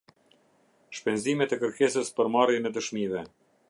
Shpenzimet e kërkesës për marrjen e dëshmive.